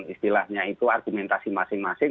istilahnya itu argumentasi masing masing